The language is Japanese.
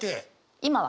今は。